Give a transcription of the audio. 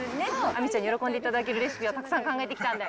亜美ちゃんに喜んでいただけるレシピをたくさん考えてきたんで。